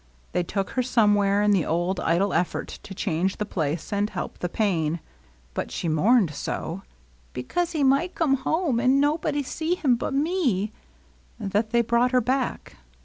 They took her somewhere, in the old, idle effort to change the place and help the pain ; but she mourned so, ^^ because he might come home, and nobody see him but me," that they brought her back.